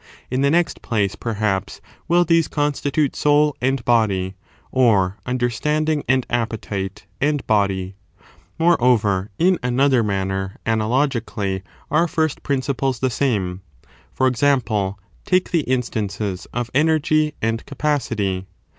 In the next place, perhaps, will these constitute soul and body, or imderstanding, and appetite, and body. Moreover, in another manner analogically are MM of the" fij^* principles the same ; for example, take the princioie* of instances of energy and capacity.